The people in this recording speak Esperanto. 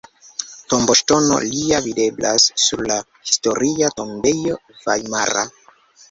Tomboŝtono lia videblas sur la Historia tombejo vajmara.